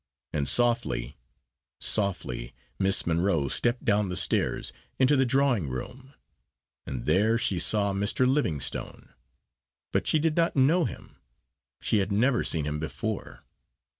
And softly, softly Miss Monro stepped down the stairs, into the drawing room; and there she saw Mr. Livingstone. But she did not know him; she had never seen him before.